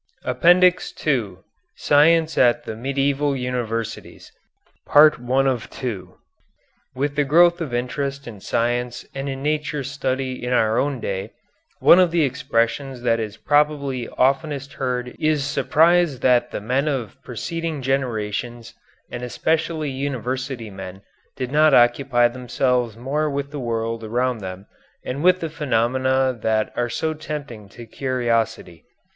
APPENDIX II SCIENCE AT THE MEDIEVAL UNIVERSITIES With the growth of interest in science and in nature study in our own day, one of the expressions that is probably oftenest heard is surprise that the men of preceding generations and especially university men did not occupy themselves more with the world around them and with the phenomena that are so tempting to curiosity.